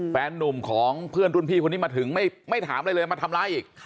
แฟนนุ่มของเพื่อนรุ่นพี่คนนี้มาถึงไม่ถามอะไรเลยมาทำร้ายอีก